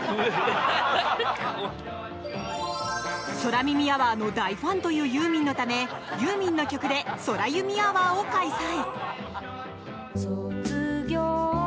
「空耳アワー」の大ファンというユーミンのためユーミンの曲で「空ユミ・アワー」を開催！